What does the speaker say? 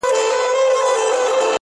چي دا دواړه تاريخي پېښي